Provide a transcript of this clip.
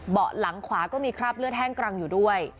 เบาะหลังขวาก็มีคราบเลือดแห้งกรังอยู่ด้วย